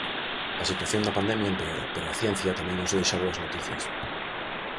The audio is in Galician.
A situación da pandemia empeora, pero a ciencia tamén nos deixa boas noticias.